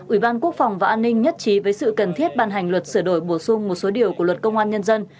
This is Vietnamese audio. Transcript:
ủy ban quốc phòng và an ninh nhất trí với sự cần thiết bàn hành luật sửa đổi bổ sung một số điều của luật công an nhân dân